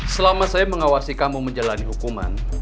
selama saya mengawasi kamu menjalani hukuman